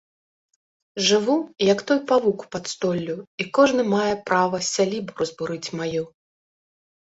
Жыву, як той павук пад столлю, і кожны мае права сялібу разбурыць маю.